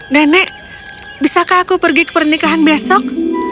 nenek bisakah aku pergi ke pernikahan besok